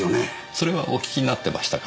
それはお聞きになってましたか。